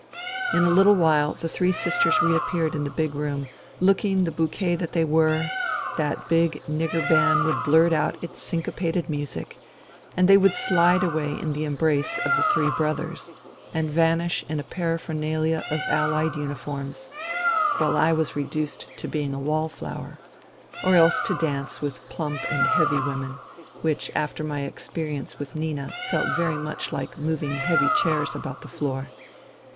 In a little while the three sisters reappeared in the room, looking the bouquet that they were, that big nigger band would blurt out its syncopated music, and they would slide away in the embrace of the " three brothers " and vanish in a paraphernalia of Allied uniforms, while I was reduced to being a " wall flower," NINA 247 or else to dance with plump and heavy women, which after my experience with Nina felt very mucii like moving heavy chairs about the floor.